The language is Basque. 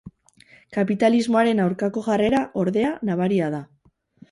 Kapitalismoaren aurkako jarrera, ordea, nabaria da.